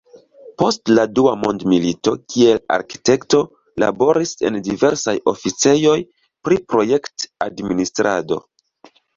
Post la dua mondmilito kiel arkitekto laboris en diversaj oficejoj pri projekt-administrado.